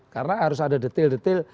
karena harus ada detail detail